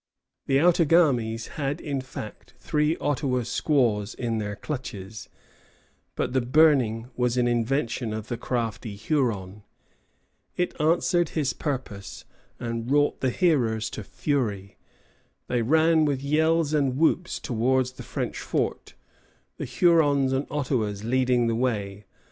The Outagamies had, in fact, three Ottawa squaws in their clutches; but the burning was an invention of the crafty Huron. It answered its purpose, and wrought the hearers to fury. They ran with yells and whoops towards the French fort, the Hurons and Ottawas leading the way.